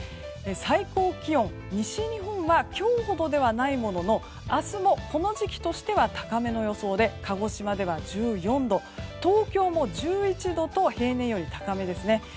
最高気温、西日本は今日ほどではないものの明日もこの時期としては高めの予想で鹿児島では１４度東京も１１度と平年より高めですね。